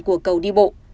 của cầu đi bộ